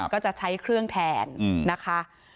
ก็จะใช้เครื่องแทนนะคะ